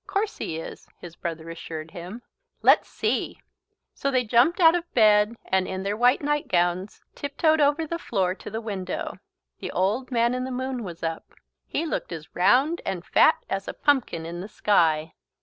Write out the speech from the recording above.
"Course he is," his brother assured him. "Let's see!" So they jumped out of bed and, in their white nightgowns, tiptoed over the floor to the window. The Old Man in the Moon was up. He looked as round and fat as a pumpkin in the sky.